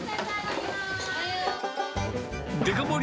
デカ盛り